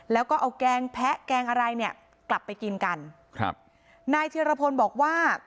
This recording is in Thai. แล้วก็เอาแกงแพะแกงอะไรเนี่ยกลับไปกินกันครับนายธิรพลบอกว่า